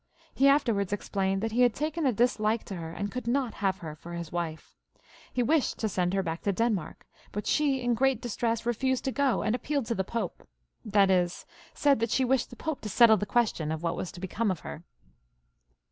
He afterwards explained that he had taken a dislike to her, and could not have her for his wife. He wished to send^her back to Denmark, but she in great distress refused to go, and appealed to the Pope, that is said that she wished the Pope to settle the question of what was to become of her.